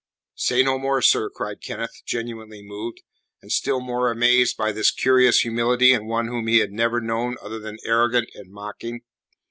"Say no more, sir," cried Kenneth, genuinely moved, and still more amazed by this curious humility in one whom he had never known other than arrogant and mocking.